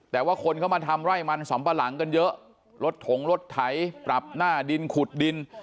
แต่ว่าคนเข้ามาทำไร่มันสำปะหลังกันเยอะรถถงรถไถปรับหน้าดินขุดดิน